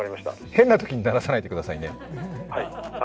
変なときに鳴らさないでくださいね。